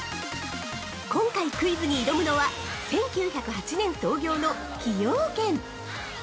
◆今回クイズに挑むのは、１９０８年創業の「崎陽軒」